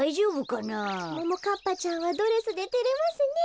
ももかっぱちゃんはドレスでてれますねえ。